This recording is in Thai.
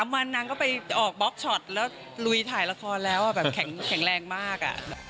วันนางก็ไปออกบล็อกช็อตแล้วลุยถ่ายละครแล้วแบบแข็งแรงมาก